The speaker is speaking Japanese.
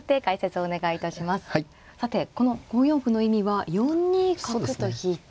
さてこの５四歩の意味は４二角と引いて。